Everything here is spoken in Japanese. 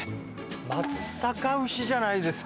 松阪牛じゃないですか。